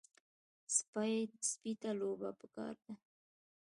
سپي ته لوبه پکار ده.